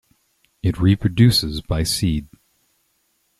It reproduces by seed.